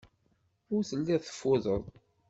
Ur telliḍ teffudeḍ.